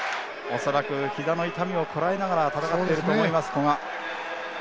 恐らくひざの痛みをこらえながら戦っていると思います、古賀。